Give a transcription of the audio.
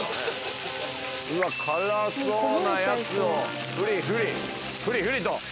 辛そうなやつをふりふりふりふりと。